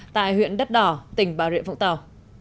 tại huyện đất đỏ tỉnh bà rịa vũng tàu